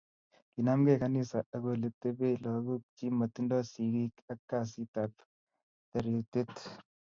Kinamke kanisa ak oletepee lakok chi matindo sigig ak kasit ab taretet